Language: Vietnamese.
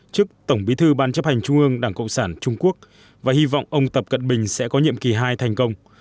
chức tổng bí thư ban chấp hành trung ương đảng cộng sản trung quốc và hy vọng ông tập cận bình sẽ có nhiệm kỳ hai thành công